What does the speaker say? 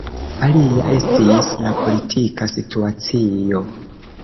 Alia estis la politika situacio.